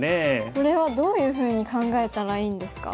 これはどういうふうに考えたらいいんですか？